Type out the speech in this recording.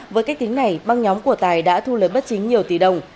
với cách tính này băng nhóm của tài đã thu lời bất chính nhiều tỷ đồng